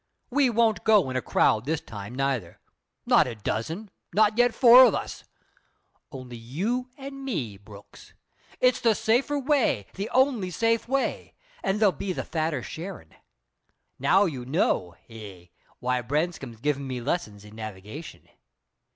We won't go in a crowd this time, neither; not a dozen, nor yet four of us, but only you an' me, Brooks. It's the safer way the only safe way an' there'll be the fatter sharin's. Now you know hey? why Branscome's givin' me lessons in navigation."